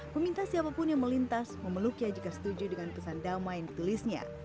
meminta siapapun yang melintas memeluknya jika setuju dengan pesan damai yang ditulisnya